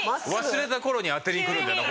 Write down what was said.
忘れた頃に当てにくるんだよな